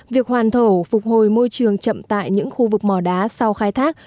việc hoàn thổ phục hồi môi trường chậm tại những khu vực mỏ đá sau khai thác